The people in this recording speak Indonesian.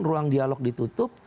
ruang dialog ditutup